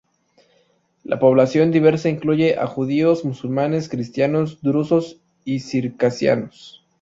La población diversa incluye a: judíos, musulmanes, cristianos, drusos y circasianos.